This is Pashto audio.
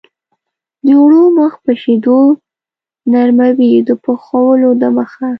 د اوړو مخ په شیدو نرموي د پخولو دمخه.